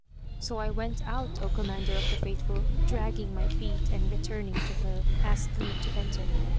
So I went out, O Commander of the Faithful, dragging my feet and returning to her asked leave to enter.